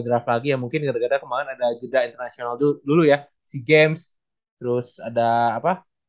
draft lagi ya mungkin ada ada kemarin ada jeda international dulu ya si james terus ada apa